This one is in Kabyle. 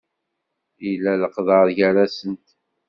Yella leqder gar-asent.